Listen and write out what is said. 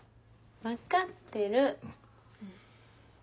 分かってる。